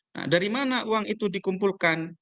nah dari mana uang itu dikumpulkan